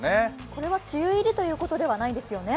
これは梅雨入りということではないんですよね？